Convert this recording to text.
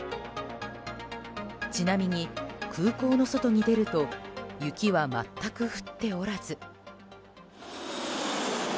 ちなみに空港の外に出ると雪は全く降っておらず。